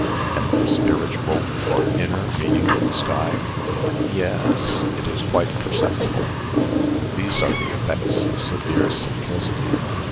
"And the spiritual, or INNER meaning of the sky?" "Ye yes. It is quite perceptible." "These are the effects of severe simplicity.